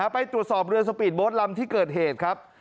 ไปตรวจสอบเรือสปีดโบ๊ทลำที่เกิดเหตุครับ